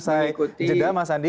kita jawab nanti usai jeda mas aldi